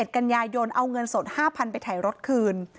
๑กันยายนเอาเงินสด๕๐๐๐ไปถ่ายรถคืน